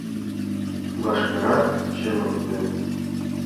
— Вашкерак чымыкте!